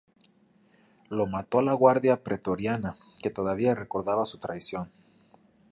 Lo mató la Guardia Pretoriana, que todavía recordaba su traición.